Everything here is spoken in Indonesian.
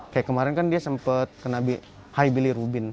kayak kemarin kan dia sempat kena high bilirubin